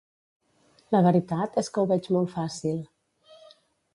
La veritat és que ho veig molt fàcil.